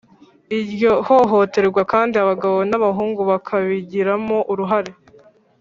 iryo hohoterwa kandi abagabo n’abahungu bakabigiramo uruhare